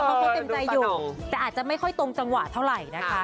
เพราะเขาเต็มใจอยู่แต่อาจจะไม่ค่อยตรงจังหวะเท่าไหร่นะคะ